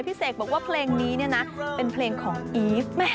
เสกบอกว่าเพลงนี้เนี่ยนะเป็นเพลงของอีฟ